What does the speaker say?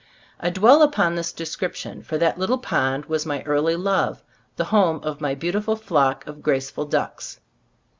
I dwell upon this description, for that little pond was my early love ; the home of my beautiful flock of graceful ducks.